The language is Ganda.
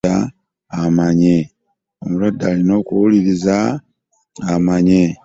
Omuzadde olina okuwuliriza omanye.